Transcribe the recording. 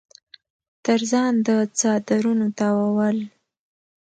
تر ځان د څادرنو تاوول